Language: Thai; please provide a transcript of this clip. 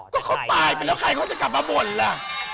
ก็เขาตายไปแล้วใครเขาจะกลับมาบ่นล่ะ